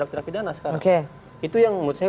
tindak pidana sekarang itu yang menurut saya